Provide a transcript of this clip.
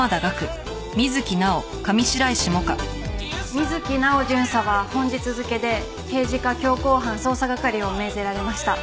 水木直央巡査は本日付で刑事課強行犯捜査係を命ぜられました。